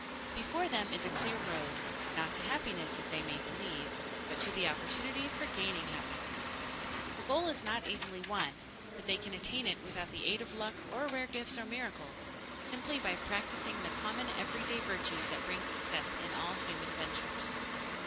Before them is a clear road. Not to happiness, as they may believe, but to the opportunity for gaining happiness. The goal is not easily won, but they can attain it without the aid of luck or rare gifts or miracles simply by practicing the common everyday virtues that bring success in all human ventures.